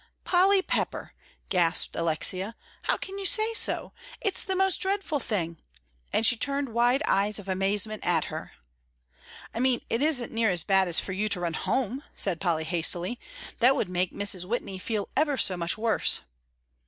"Polly Pepper," gasped Alexia, "how can you say so? It's the most dreadful thing!" and she turned wide eyes of amazement at her. "I mean it isn't near as bad as for you to run home," said Polly, hastily; "that would make Mrs. Whitney feel ever so much worse."